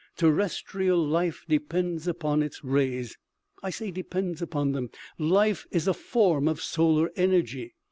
" Terrestrial life depends upon its rays. I say depends upon them life is a form of solar energy.